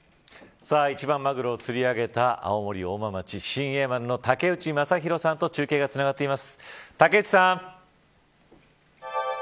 一番マグロを釣り上げた青森、大間町の竹内正弘さんと中継がつながっています。